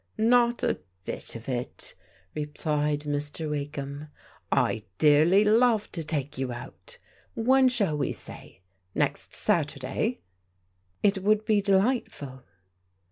" Not a bit of it," replied Mr. Wakeham. " I dearly love to take you out. When shall we say? Next Sat urday?" " It would be delightful."